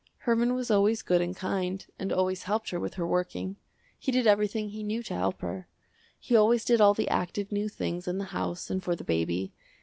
Herman was always good and kind, and always helped her with her working. He did everything he knew to help her. He always did all the active new things in the house and for the baby.